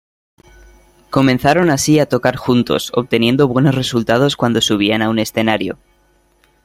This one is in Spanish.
Comenzaron así a tocar juntos, obteniendo buenos resultados cuando subían a un escenario.